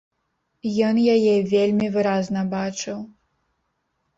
Ён яе вельмі выразна бачыў.